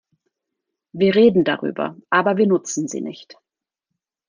Wir reden darüber, aber wir nutzen sie nicht.